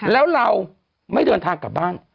แล้วเราไม่เดินทางกลับบ้าน